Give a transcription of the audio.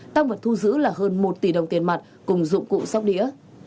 tăng vật thu giữ là hơn một tỷ đồng tiền mặt cùng dụng cụ sóc đĩa